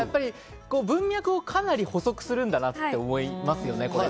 文脈をかなり補足するんだなって思いますね。